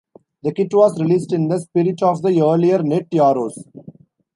The kit was released in the spirit of the earlier Net Yaroze.